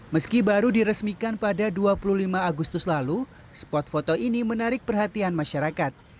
meski baru diresmikan pada dua puluh lima agustus lalu spot foto ini menarik perhatian masyarakat